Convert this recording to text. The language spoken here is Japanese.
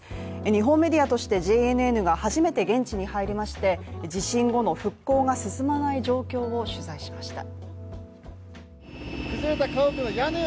日本メディアとしてＪＮＮが初めて現地に入りまして、地震後の復興が進まない状況を取材しました。